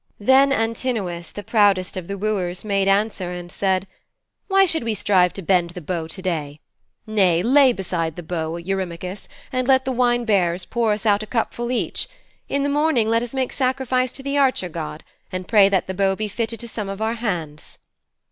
Then Antinous, the proudest of the wooers, made answer and said, 'Why should we strive to bend the bow to day? Nay, lay the bow aside, Eurymachus, and let the wine bearers pour us out a cupful each. In the morning let us make sacrifice to the Archer god, and pray that the bow be fitted to some of our hands.'